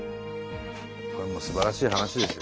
これはすばらしい話ですよ。